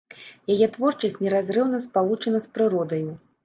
Яе творчасць неразрыўна спалучана з прыродаю.